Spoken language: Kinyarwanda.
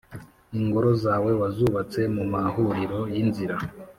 Ingoro zawe wazubatse mu mahuriro y inzira